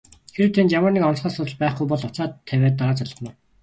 Хэрэв танд ямар нэг онцгой асуудал байхгүй бол утсаа тавиад дараа залгана уу?